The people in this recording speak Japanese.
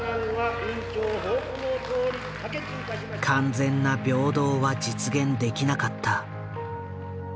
完全な平等は実現できなかった。